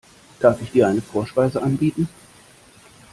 Darf ich dir eine Vorspeise anbieten?